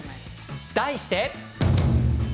題して。